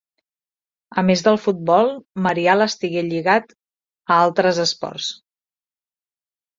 A més del futbol, Marial estigué lligat a altres esports.